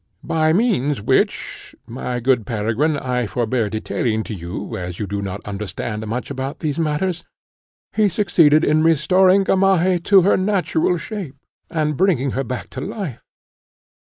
By means, which, my good Peregrine, I forbear detailing to you, as you do not understand much about these matters, he succeeded in restoring Gamaheh to her natural shape, and bringing her back to life.